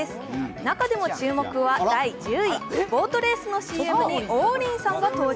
中でも注目は第１０位、ボートレースのＣＭに王林さんが登場。